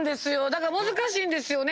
だから難しいんですよね。